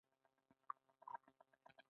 بادام د افغانستان د امنیت په اړه هم اغېز لري.